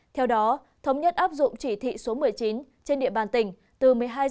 theo đó thống nhất áp dụng chỉ thị số một mươi chín trên địa bàn tỉnh